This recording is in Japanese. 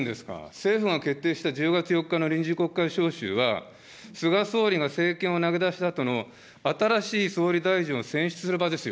政府が決定した１０月４日の臨時国会召集は、菅総理が政権を投げ出したあとの、新しい総理大臣を選出する場ですよ。